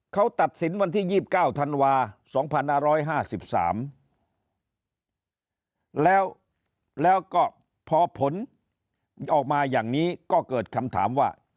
เขาตัดสินวันที่๒๙ธันวา๒๕๕๓แล้วแล้วก็พอผลออกมาอย่างนี้ก็เกิดคำถามว่า